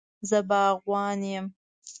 زه باغوان یم